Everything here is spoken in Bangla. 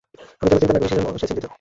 আমি যেন চিন্তা না করি সেজন্য সে চিন্তিত।